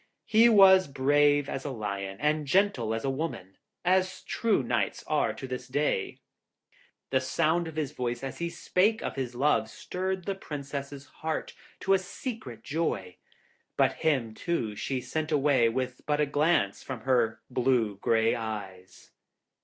He was brave as a lion, and gentle as a woman, as true knights are to this very day. The sound of his voice as he spake of his love stirred the Princess' heart to a secret joy; but him, too, she sent away with but a glance from her blue grey eyes.